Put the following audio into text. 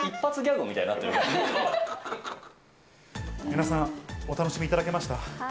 皆さん、お楽しみいただけました？